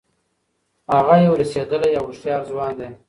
هغه یو رسېدلی او هوښیار ځوان دی.